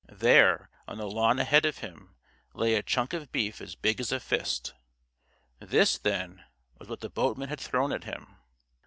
There, on the lawn ahead of him, lay a chunk of beef as big as a fist. This, then, was what the boatman had thrown at him!